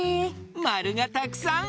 まるがたくさん！